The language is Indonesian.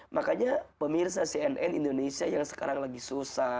makanya pemirsa cnn indonesia yang sekarang lagi susah